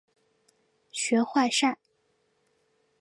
学坏晒！